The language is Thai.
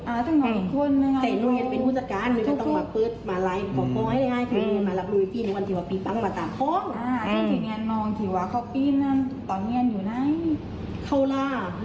อ่าเฉยต้องนำอีกคนนะ